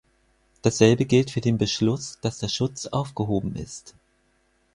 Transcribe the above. Dasselbe gilt für den Beschluss, dass der Schutz aufgehoben ist.